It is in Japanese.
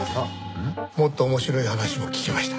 もっと面白い話も聞けました。